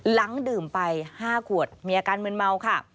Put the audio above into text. หลังดื่มไป๕ขวดมีอาการมืนเมาค่ะ